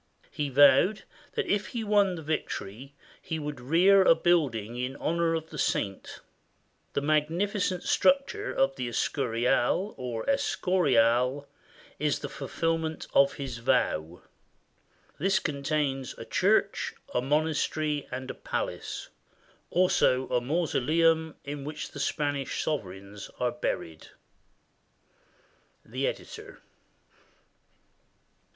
He vowed that if he won the victory, he would rear a building in honor of the saint. The magnificent structure of the Escurial, or Escorial, was the fulfillment of his vow. This contains a church, a monastery, and a palace, also a mausoleum in which the Spanish sovereigns are buried. The Editor.